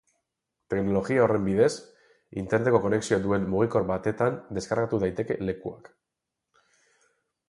Teknologia horren bidez, interneteko konexioa duen mugikor batetan deskargatu daiteke lekuak.